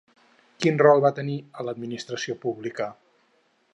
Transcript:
Quin rol va tenir a l'administració pública?